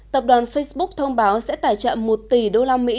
tập đoàn facebook thông báo sẽ tài trợ một tỷ usd trong vòng một mươi năm